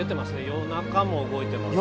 夜中も動いてますね。